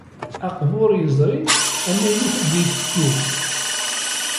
Aqbuṛ yezri amaynut ad d-iteddu.